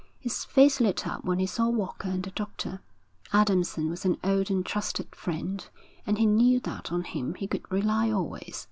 His face lit up when he saw Walker and the doctor. Adamson was an old and trusted friend, and he knew that on him he could rely always.